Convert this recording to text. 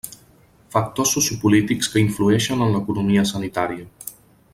Factors sociopolítics que influïxen en l'economia sanitària.